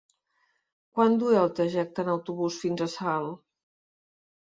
Quant dura el trajecte en autobús fins a Salt?